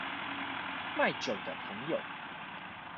賣酒的朋友